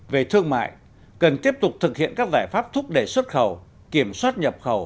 về thương mại cần tiếp tục thực hiện các giải pháp thúc đẩy xuất khẩu kiểm soát nhập khẩu